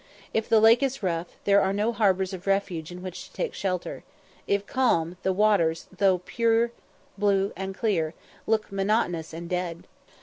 If the lake is rough, there are no harbours of refuge in which to take shelter if calm, the waters, though blue, pure, and clear, look monotonous and dead.